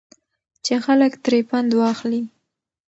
چې خلک ترې پند واخلي.